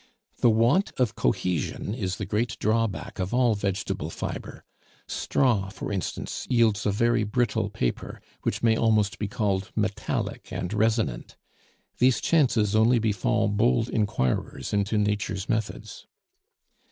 The want of cohesion is the great drawback of all vegetable fibre; straw, for instance, yields a very brittle paper, which may almost be called metallic and resonant. These chances only befall bold inquirers into Nature's methods!